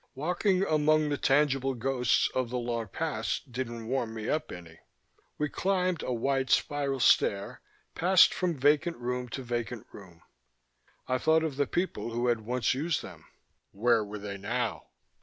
Walking among the tangible ghosts of the long past didn't warm me up any. We climbed a wide spiral stair, passed from vacant room to vacant room. I thought of the people who had once used them. Where were they now?